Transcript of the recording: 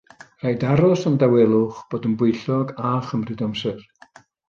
Rhaid aros am dawelwch, bod yn bwyllog a chymryd amser